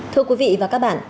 thưa quý vị và các bạn